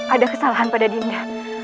ada kesalahan pada dinda